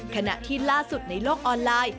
ขณะที่ล่าสุดในโลกออนไลน์